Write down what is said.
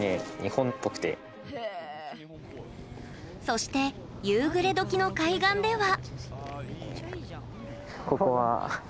そして、夕暮れ時の海岸では。